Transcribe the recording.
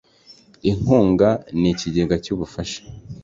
inkunga n Ikigega cy ubufasha